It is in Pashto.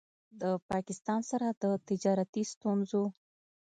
د پاکستان سره د تجارتي ستونځو